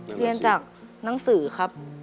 เรียนจากหนังสือครับ